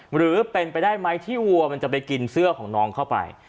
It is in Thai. หรือเป็นไปได้ไหมที่วัวมันจะไปกินเสื้อของน้องเข้าไป